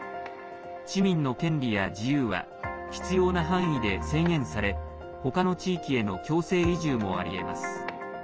市民の権利や自由は必要な範囲で制限され他の地域への強制移住もありえます。